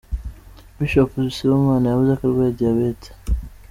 Bishop Sibomana yavuze ko arwaye Diyabete.